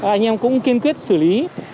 anh em cũng kiên quyết xử lý